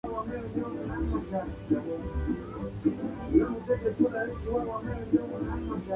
El título de la película está tomado del "Hamlet" de William Shakespeare.